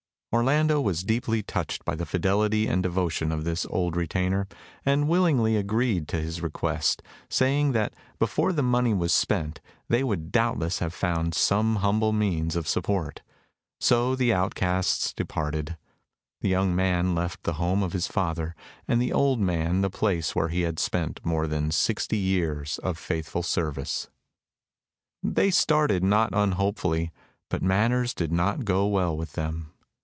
Orlando was deeply touched by the fidelity and devotion of this old retainer, and willingly agreed to his request, saying that before the money was spent they would doubtless have found some humble means of support. So the outcasts departed: the young man left the home of his father, and the old man the place where he had spent more than sixty years of faithful service. They started not unhopefully, but matters did not go well with them.